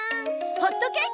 ホットケーキ。